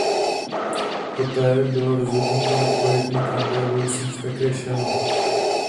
Poté bylo rozhodnuto napojit na tramvajovou síť také Šanov.